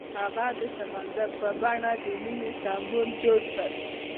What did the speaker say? هغه د سمندر په بڼه د مینې سمبول جوړ کړ.